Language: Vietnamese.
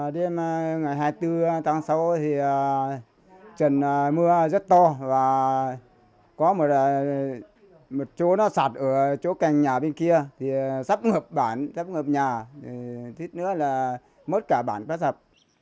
đêm ngày hai mươi bốn tháng sáu trần mưa rất to và có một chỗ sạt ở chỗ cành nhà bên kia sắp ngập bản sắp ngập nhà thích nữa là mất cả bản pá sập